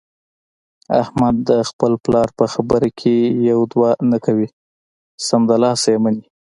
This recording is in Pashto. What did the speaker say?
احمد د خپل پلار په خبره کې یوه دوه نه کوي، سمدلاسه یې مني.